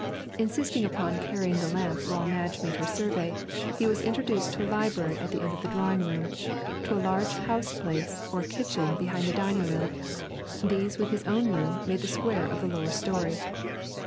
Insisting upon carrying the lamp while Madge made her survey, he was introduced to a library at the end of the drawing room, to a large house place or kitchen behind the dining room; these with his own room made the square of the lower story.